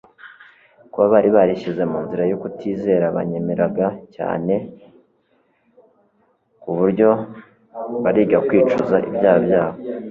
Kuba bari barishyize mu nzira yo kutizera banyemeraga cyane ku buryo bariga kwicuza ibyaha byabo.